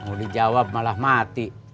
mau dijawab malah mati